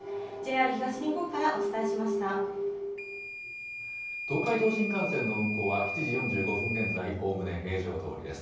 東海道新幹線の運行は７時４５分現在、おおむね平常どおりです。